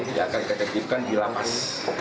dia akan dikecek kecekkan di lapas